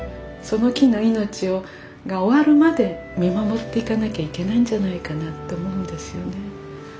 その木の命が終わるまで見守っていかなきゃいけないんじゃないかなと思うんですよね。